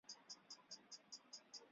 母秦氏。